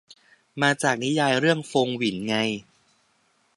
มาจากนิยายเรื่องฟงหวินไง